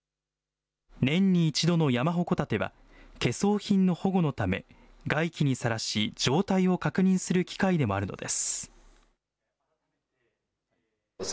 年に１度の山鉾建ては、懸装品の保護のため、外気にさらし、状態を確認する機会でもあるのです。